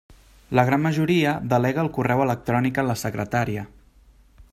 La gran majoria delega el correu electrònic en la secretària.